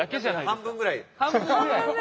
半分ぐらい。